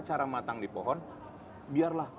cara matang di pohon biarlah